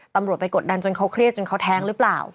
ตำรวจไปกดดันจนเขาเครียดจนเขาแท้งหรือเปล่า